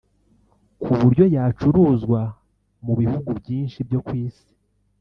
ku buryo yacuruzwa mu bihugu byinshi byo ku isi